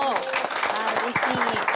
ああうれしい！